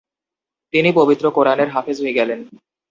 তিনি পবিত্র কোরআনের হাফেজ হয়ে গেলেন।